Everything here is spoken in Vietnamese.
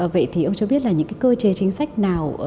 vậy thì ông cho biết là những cái cơ chế chính sách nào